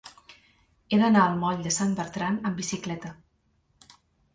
He d'anar al moll de Sant Bertran amb bicicleta.